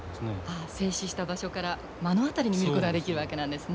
ああ静止した場所から目の当たりに見ることができるわけなんですね。